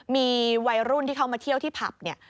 มีวัยรุ่นที่เขามาเที่ยวที่ผับเนี่ย